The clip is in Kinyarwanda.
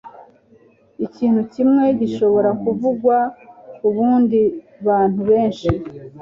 ikintu kimwe gishobora kuvugwa kubandi bantu benshi